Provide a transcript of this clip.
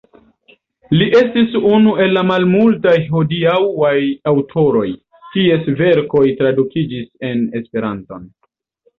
Li estis unu el la malmultaj hodiaŭaj aŭtoroj, kies verkoj tradukiĝis en Esperanton.